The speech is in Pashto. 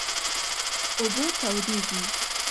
اوبه تودې دي